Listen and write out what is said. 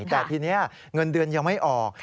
แต่ทีนี้เงินเดือนยังไม่ออก